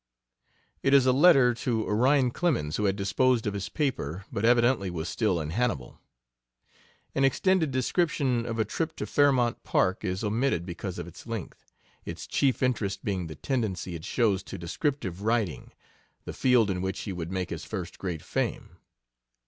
It is a letter to Orion Clemens, who had disposed of his paper, but evidently was still in Hannibal. An extended description of a trip to Fairmount Park is omitted because of its length, its chief interest being the tendency it shows to descriptive writing the field in which he would make his first great fame.